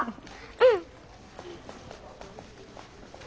うん！